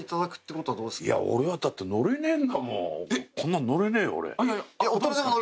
こんなん乗れねえよ俺。